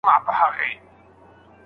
چاته چي لوڼي ورکړل سي.